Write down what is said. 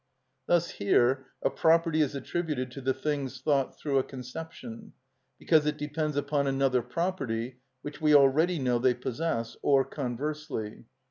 Thus here a property is attributed to the things thought through a conception, because it depends upon another property which we already know they possess; or conversely.